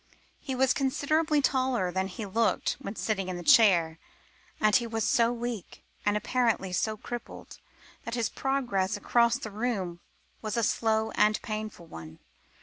He was considerably taller than he had looked when sitting in the chair; and he was so weak, and apparently so crippled, that his progress across the room was a slow and painful one.